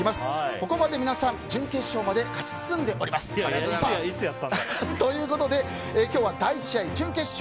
ここまで皆さん準決勝までいつやったの？ということで今日は第１試合の準決勝